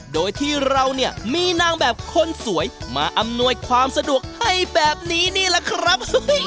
โดยที่เราเนี่ยมีนางแบบคนสวยมาอำนวยความสะดวกให้แบบนี้นี่แหละครับ